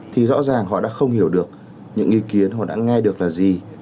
thì rõ ràng họ đã không hiểu được những ý kiến họ đã nghe được là gì